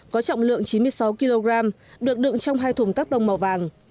có trọng lượng chín mươi sáu kg được đựng trong hai thùng các tông màu vàng